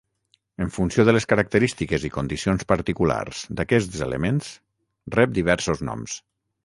En funció de les característiques i condicions particulars d'aquests elements, rep diversos noms.